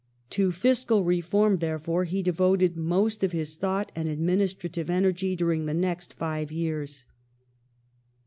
To fiscal reform, therefore, he devoted most of his thought and administrative energy during the next five years.